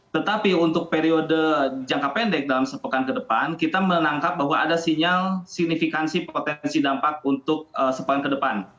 tetapi untuk periode jangka pendek dalam sepekan ke depan kita menangkap bahwa ada sinyal signifikansi potensi dampak untuk sepekan ke depan